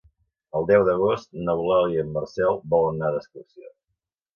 El deu d'agost n'Eulàlia i en Marcel volen anar d'excursió.